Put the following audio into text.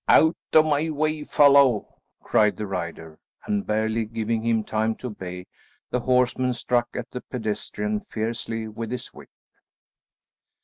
"Out of the way, fellow!" cried the rider, and, barely giving him time to obey, the horseman struck at the pedestrian fiercely with his whip.